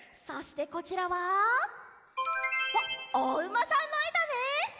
そしてこちらはわっおうまさんのえだね！